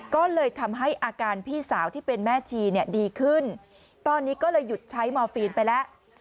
ก็เลยทำให้อาการพี่สาวที่เป็นแม่ชีเนี่ยดีขึ้นตอนนี้ก็เลยหยุดใช้มอร์ฟีนไปแล้ว